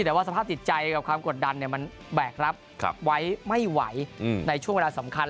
ถ้าติดใจกับความกดดันเนี่ยมันแบกรับไว้ไม่ไหวในช่วงเวลาสำคัญ